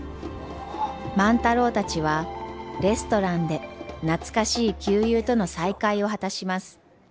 万太郎たちはレストランで懐かしい旧友との再会を果たします。